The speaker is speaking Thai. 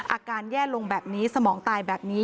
อาการแย่ลงแบบนี้สมองตายแบบนี้